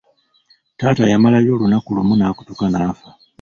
Taata yamalawo olunaku lumu n’akutuka n'afa.